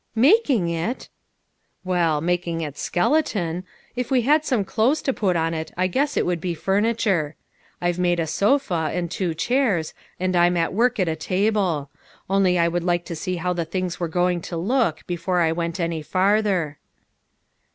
" Making it !"" Well, making its skeleton. If we had some clothes to put on it, I guess it would be furniture. I've made a sofa, and two chairs, and I'm at work at a table. Only I would like to see how the things were going to look, before I went any farther."